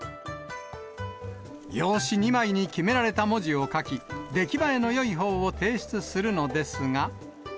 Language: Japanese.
用紙２枚に決められた文字を書き、出来栄えのよいほうを提出するのですが。